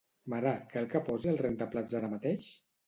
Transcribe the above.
Mare, cal que posi el rentaplats ara mateix?